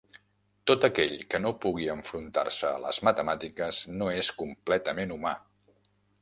Tot aquell que no pugui enfrontar-se a les matemàtiques no és completament humà.